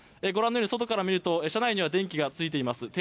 ご覧のように外から見ると車内には電気がついています。